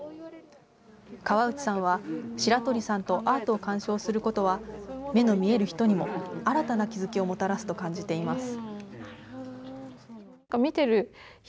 川内さんは、白鳥さんとアートを鑑賞することは、目の見える人にも新たな気付きをもたらすと感じています。